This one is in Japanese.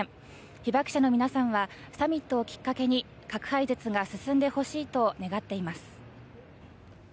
被爆者の皆さんはサミットをきっかけに核廃絶が進んでほしいと願っています。